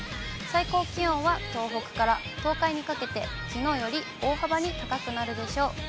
最高気温は東北から東海にかけて、きのうより大幅に高くなるでしょう。